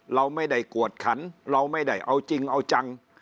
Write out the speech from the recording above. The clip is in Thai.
เราไม่ได้กวดขันเราไม่ได้เอาจริงเอาจัง